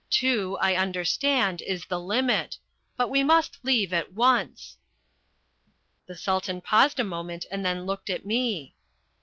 Two, I understand, is the limit. But we must leave at once." The Sultan paused a moment and then looked at me.